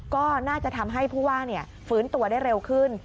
ก็น่าจะทำให้ผู้ว่าฟื้นตัวได้เร็วขึ้น